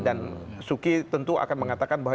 dan suki tentu akan mengatakan bahwa